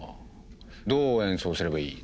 どう演奏すればいい？